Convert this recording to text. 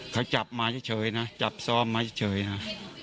เขาจับมาเฉยนะจับซ้อมมาเฉยนะ